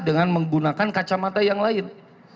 dan menggunakan kacamata yang lain